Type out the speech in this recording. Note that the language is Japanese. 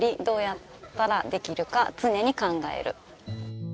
「どうやったら出来るか常に考える」